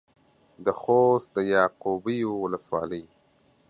د خوست د يعقوبيو ولسوالۍ.